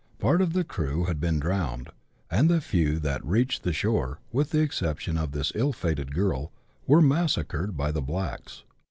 Part of the crew had been drowned, and the few that reached the shore, with the exception of this ill fated girl, were massacred by the blacks.